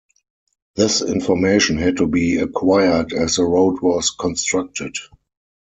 This information had to be acquired as the road was constructed.